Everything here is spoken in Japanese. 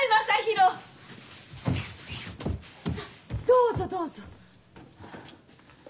さあどうぞどうぞ。